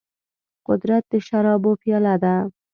قدرت د شرابو پياله ده.